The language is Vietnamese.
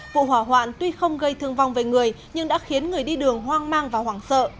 vụ hỏa hoạn tuy không gây thương vong về người nhưng đã khiến người đi đường hoang mang và hoảng sợ